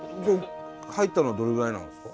入ったのはどれぐらいなんですか？